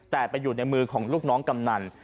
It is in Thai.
แต่ไปอยู่ในมือของลูกน้องกำนัน